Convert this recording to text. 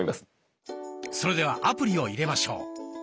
それではアプリを入れましょう。